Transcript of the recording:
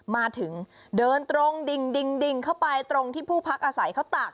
มาถึงเดินตรงดิ่งเข้าไปตรงที่ผู้พักอาศัยเขาตาก